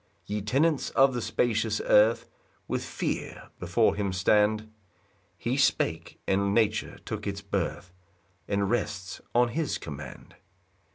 5 Ye tenants of the spacious earth, With fear before him stand; He spake, and nature took its birth, And rests on his command.